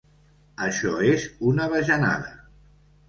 Això és una bajanada.